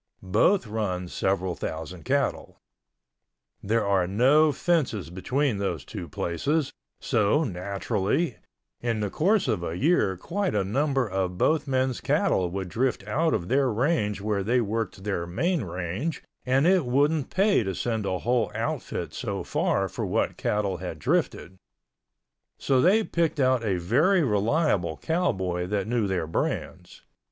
Both run several thousand cattle. There are no fences between those two places, so, naturally, in the course of a year quite a number of both men's cattle would drift out of their range where they worked their main range and it wouldn't pay to send a whole outfit so far for what cattle had drifted—so they picked out a very reliable cowboy that knew their brands.